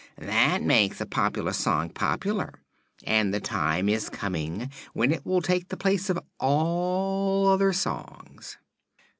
That makes a popular song popular, and the time is coming when it will take the place of all other songs."